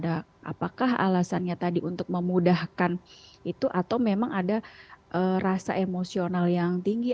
apakah alasannya tadi untuk memudahkan itu atau memang ada rasa emosional yang tinggi